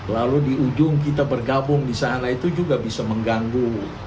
lalu di ujung kita bergabung di sana itu juga bisa mengganggu